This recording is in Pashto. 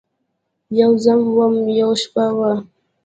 یوه زه وم ، یوه شپه وه